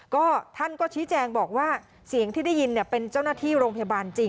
ก็ท่านก็ชี้แจงบอกว่าเสียงที่ได้ยินเป็นเจ้าหน้าที่โรงพยาบาลจริง